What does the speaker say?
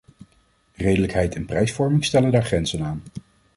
Redelijkheid en prijsvorming stellen daar grenzen aan.